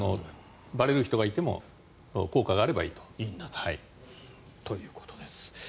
ばれる人がいても効果があればいいと。ということです。